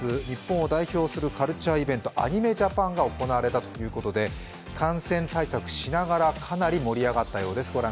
日本を代表するカルチャーイベント、ＡｎｉｍｅＪａｐａｎが行われたということで、感染対策しながら、かなり盛り上がったようです。